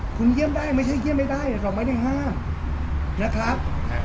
คุณเยี่ยมได้ไม่ใช่เยี่ยมไม่ได้เราไม่ได้ห้ามนะครับ